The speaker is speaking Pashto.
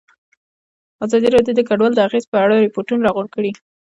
ازادي راډیو د کډوال د اغېزو په اړه ریپوټونه راغونډ کړي.